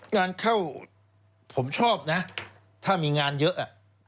งานเข้าผมชอบนะถ้ามีงานเยอะ